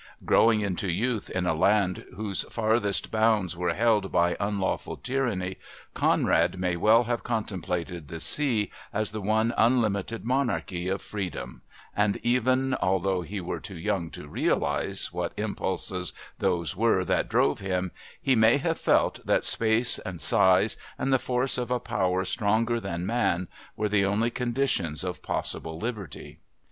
Growing into youth in a land whose farthest bounds were held by unlawful tyranny, Conrad may well have contemplated the sea as the one unlimited monarchy of freedom and, even although he were too young to realise what impulses those were that drove him, he may have felt that space and size and the force of a power stronger than man were the only conditions of possible liberty.